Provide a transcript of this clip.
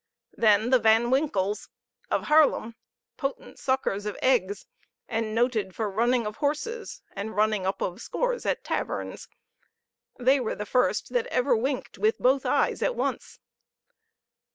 Then the Van Winkles, of Haerlem, potent suckers of eggs, and noted for running of horses, and running up of scores at taverns; they were the first that ever winked with both eyes at once.